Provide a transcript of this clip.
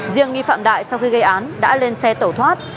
riêng nghi phạm đại sau khi gây án đã lên xe tẩu thoát